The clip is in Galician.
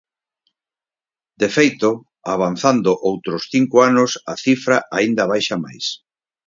De feito, avanzando outros cinco anos a cifra aínda baixa máis.